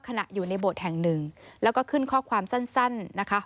ขณะอยู่ในบทแห่ง๑แล้วก็ขึ้นข้อความสั้นนะคะ